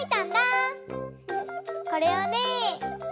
これをね